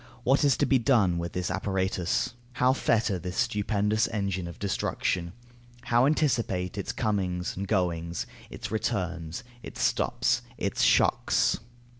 What is to be done with this apparatus? How fetter this stupendous engine of destruction? How anticipate its comings and goings, its returns, its stops, its shocks?